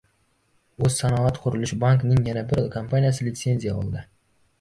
«O‘zsanoatqurilishbank»ning yana bir kompaniyasi litsenziya oldi